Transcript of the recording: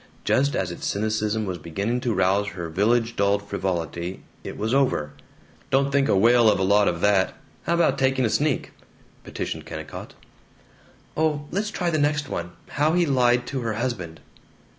Just as its cynicism was beginning to rouse her village dulled frivolity, it was over. "Don't think a whale of a lot of that. How about taking a sneak?" petitioned Kennicott. "Oh, let's try the next one, 'How He Lied to Her Husband.'"